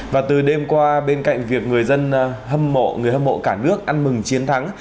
và từ đêm qua bên cạnh việc người dân hâm mộ người hâm mộ cả nước ăn mừng chiến thắng